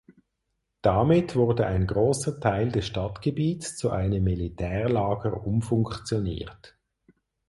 Damit wurde ein großer Teil des Stadtgebiets zu einem Militärlager umfunktioniert.